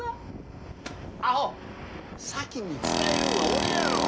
アホ先に伝えるんは俺やろ。